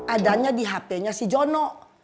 adanya di hp nya si jono